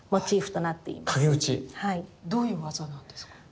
どういう技なんですか？